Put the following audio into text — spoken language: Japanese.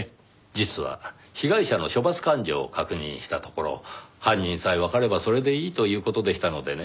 実は被害者の処罰感情を確認したところ犯人さえわかればそれでいいという事でしたのでね。